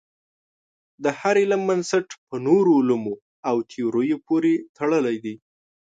د هر علم بنسټ په نورو علومو او تیوریو پورې تړلی دی.